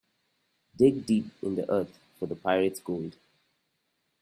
Dig deep in the earth for pirate's gold.